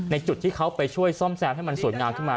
จุดที่เขาไปช่วยซ่อมแซมให้มันสวยงามขึ้นมา